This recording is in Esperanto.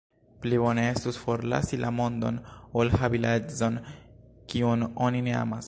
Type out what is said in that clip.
Pli bone estus forlasi la mondon, ol havi la edzon, kiun oni ne amas.